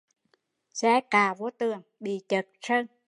Xe cạ vô tường, bị chợt sơn